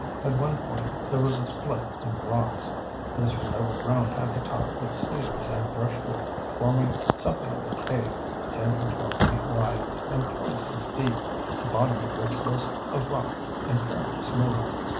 At one point there was a split in the rocks. This was overgrown at the top with cedars and brushwood, forming something of a cave, ten or twelve feet wide and twice as deep, the bottom of which was of rock and fairly smooth.